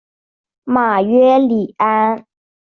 马约里安。